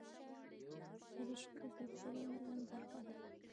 دریشي د دفتري نظم برخه ده.